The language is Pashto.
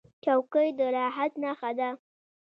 چوکۍ د راحت نښه ده.